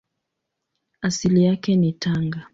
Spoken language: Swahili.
Asili yake ni Tanga.